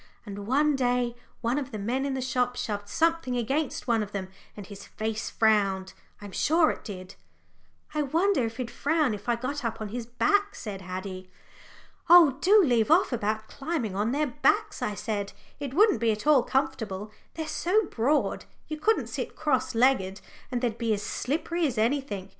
And one day one of the men in the shop shoved something against one of them and his face frowned I'm sure it did." "I wonder if he'd frown if I got up on his back," said Haddie. "Oh, do leave off about climbing on their backs," I said. "It wouldn't be at all comfortable they're so broad, you couldn't sit cross legs, and they'd be as slippery as anything.